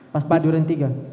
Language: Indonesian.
pas pak diurentikan